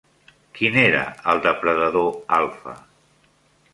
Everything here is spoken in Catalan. Quin era el depredador alfa?